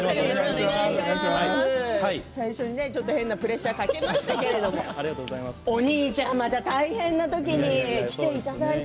最初にちょっと変なプレッシャーをかけましたけれどもお兄ちゃん、また大変な時に来ていただいて。